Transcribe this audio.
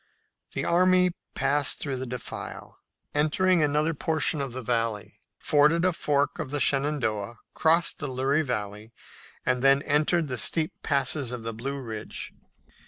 The army passed through the defile, entered another portion of the valley, forded a fork of the Shenandoah, crossed the Luray Valley, and then entered the steep passes of the Blue Ridge.